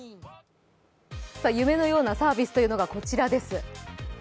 夢のようなサービスというのがこちらです。